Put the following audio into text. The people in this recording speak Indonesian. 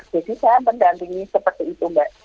jadi saya pendampingi seperti itu mbak